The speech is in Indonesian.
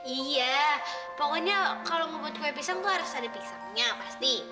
iya pokoknya kalau mau buat kue pisang tuh harus ada pisangnya pasti